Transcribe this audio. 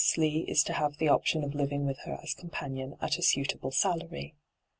Slee is to have the option of living with her as companion at a suitable salary.